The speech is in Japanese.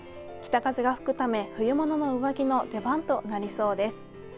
北風が吹くため、冬物の上着の出番となりそうです。